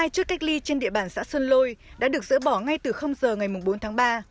một mươi hai chức cách ly trên địa bàn xã sơn đôi đã được dỡ bỏ ngay từ giờ ngày bốn tháng ba